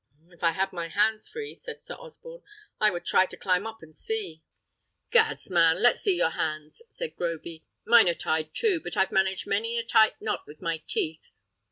"If I had my hands free," said Sir Osborne, "I would try to climb up and see." "Gads man! let's see your hands," said Groby; "mine are tied too, but I've managed many a tight knot with my teeth.